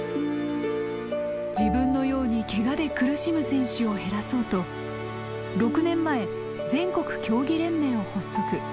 自分のようにケガで苦しむ選手を減らそうと６年前全国競技連盟を発足。